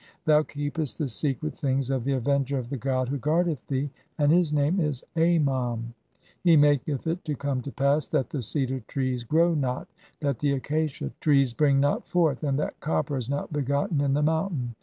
"Thou keepest the secret things of the avenger of the god who "guardeth thee, and his name is (73) Amam. He maketh it to "come to pass that the cedar trees grow not, that the acacia "trees bring not forth, and that copper is not begotten in the "mountain.